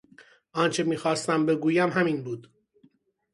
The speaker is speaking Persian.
آنچه میخواستم بگویم همین بود.